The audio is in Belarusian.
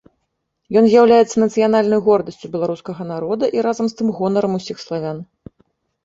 Ён з'яўляецца нацыянальнай гордасцю беларускага народа і разам з тым гонарам ўсіх славян.